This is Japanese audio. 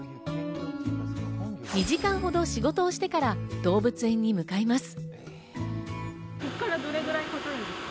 ２時間ほど仕事をしてから動物園に向かいます。